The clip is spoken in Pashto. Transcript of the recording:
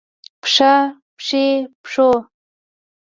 پښه ، پښې ، پښو